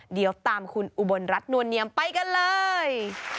เดี๋ยวตามคุณอุบลรัฐนวลเนียมไปกันเลย